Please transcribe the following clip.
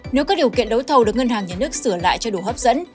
nếu các điều kiện đấu thầu được ngân hàng nhà nước sửa lại cho đủ hấp dẫn